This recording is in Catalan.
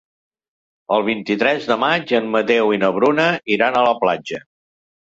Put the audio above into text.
El vint-i-tres de maig en Mateu i na Bruna iran a la platja.